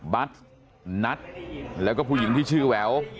บัสนัทแล้วก็ผู้หญิงที่ชื่อแหวว